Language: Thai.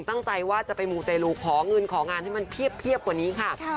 ตั้งใจว่าจะไปมูเตรลูขอเงินของานให้มันเพียบกว่านี้ค่ะ